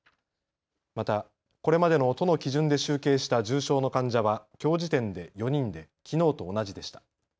またこれまでの都の基準で集計した重症の患者はきょう時点で４人できのうと同じでした。